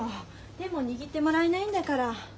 手も握ってもらえないんだから。